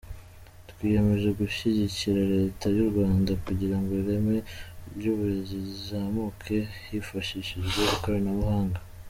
Twiyemeje gushyigikira Leta y’u Rwanda kugirango ireme ry’uburezi rizamuke hifashishijwe ikoranabuhanga.